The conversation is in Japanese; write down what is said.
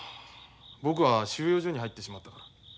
僕は収容所に入ってしまったから。